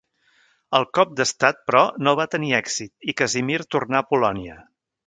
El cop d'estat, però, no va tenir èxit i Casimir tornà a Polònia.